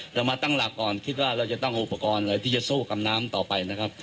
เรามาตั้งหลักก่อนคิดว่าเราจะต้องอุปกรณ์อะไรที่จะสู้กับน้ำต่อไปนะครับ